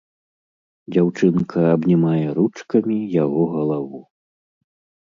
Дзяўчынка абнімае ручкамі яго галаву.